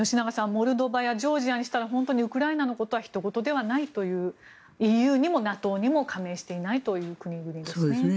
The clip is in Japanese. モルドバやジョージアにしたら本当にウクライナのことはひと事ではないというＥＵにもＮＡＴＯにも加盟していないという国々ですね。